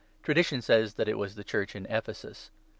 Tradition says that it was the Church in Ephesus.